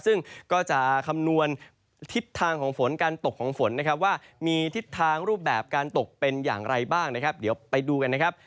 ซึ่งก็จะคำนวณทิศทางของฝนการตกของฝนนะครับว่ามีทิศทางรูปแบบการตกเป็นอย่างไรบ้างนะครับเดี๋ยวไปดูกันนะครับ